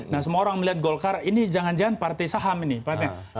nah semua orang melihat golkar ini jangan jangan partai saham ini partai